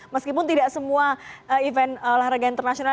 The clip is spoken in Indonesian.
meskipun tidak semua event olahraga internasional